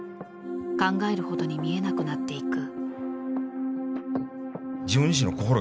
考えるほどに見えなくなっていく。